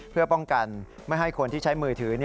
เพื่อป้องกันไม่ให้คนที่ใช้มือถือ